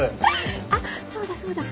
あっそうだそうだ。